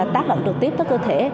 tác động trực tiếp tới cơ thể